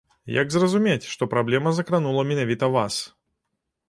Як зразумець, што праблема закранула менавіта вас?